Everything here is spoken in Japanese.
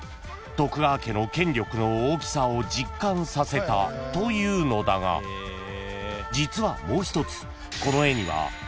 徳川家の権力の大きさを実感させたというのだが実はもう一つこの絵には］